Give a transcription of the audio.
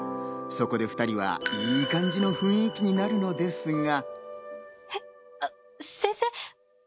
そこで２人は、いい感じの雰囲気になるのですが。